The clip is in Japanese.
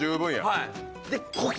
はい。